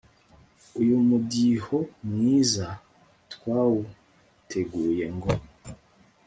uyu mudiho mwiza twawuteguye ngo